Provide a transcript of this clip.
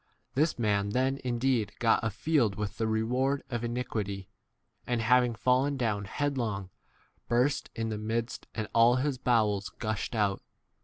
(This [man] then indeed got k a field with [the] 1 reward of iniquity, and, having fallen down headlong, burst in the midst, and all his bowels 19 gushed out.